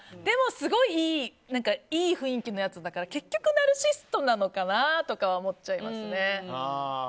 でもすごいいい雰囲気のやつだから結局ナルシシストなのかなとか思っちゃいますね。